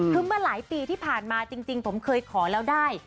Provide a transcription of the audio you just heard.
คือเมื่อหลายปีที่ผ่านมาจริงผมเคยขอแล้วได้